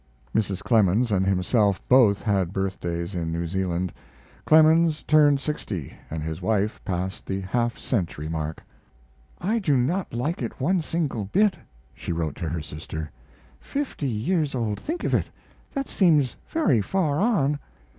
Mrs. Clemens and himself both had birthdays in New Zealand; Clemens turned sixty, and his wife passed the half century mark. "I do not like it one single bit," she wrote to her sister. "Fifty years old think of it; that seems very far on."